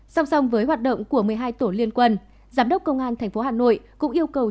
song song với hoạt động của một mươi hai tổ liên quân giám đốc công an tp hà nội cũng yêu cầu